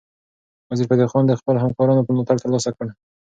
وزیرفتح خان د خپلو همکارانو ملاتړ ترلاسه کړ.